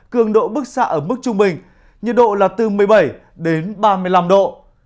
cường độ bức xạ ở mức trung bình nhiệt độ là từ một mươi bảy đến ba mươi năm độ